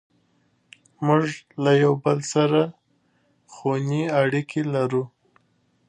موږ له یو بل سره خوني اړیکې لرو.